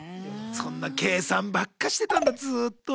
そんな計算ばっかしてたんだずっと。